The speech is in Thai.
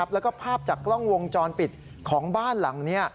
แล้วก็ภาพจากกล้องวงจรปิดของบ้านหลังนี้